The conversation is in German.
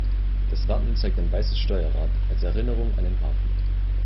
Das Wappen zeigt ein weißes Steuerrad, als Erinnerung an den Hafen.